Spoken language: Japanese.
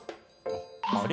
あれ？